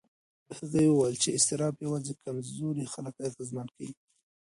هغه وویل چې اضطراب یوازې کمزوري خلک اغېزمن کوي.